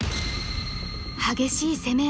激しい攻め合い。